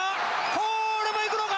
これも行くのか？